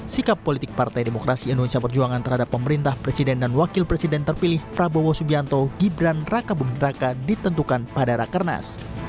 sikap politik partai demokrasi indonesia perjuangan terhadap pemerintah presiden dan wakil presiden terpilih prabowo subianto gibran raka buming raka ditentukan pada rakernas